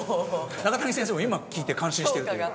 中谷先生も今聞いて感心してるという。